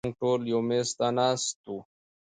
مونږ ټول يو مېز ته ناست وو